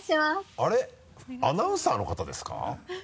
あれアナウンサーの方ですか？